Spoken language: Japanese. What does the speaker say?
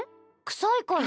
臭いから。